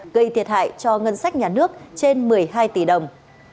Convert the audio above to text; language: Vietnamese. gây thiệt hại cho ngân sách nhà nước trên một mươi hai tỷ đồng